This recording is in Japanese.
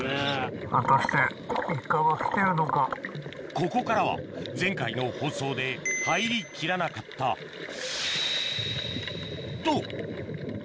・ここからは前回の放送で入りきらなかったと！